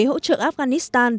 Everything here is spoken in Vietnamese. hỗ trợ afghanistan